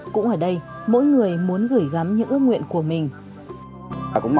cũng ở đây mỗi người muốn gửi gắm những ước mơ